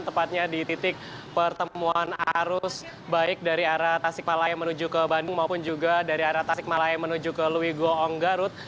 tepatnya di titik pertemuan arus baik dari arah tasikmalaya menuju ke bandung maupun juga dari arah tasikmalaya menuju ke lewigo ong garut